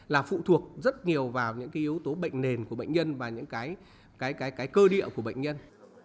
là phụ thuộc rất nhiều vào những cái yếu tố bệnh nền của bệnh nhân và những cái cơ địa của bệnh nhân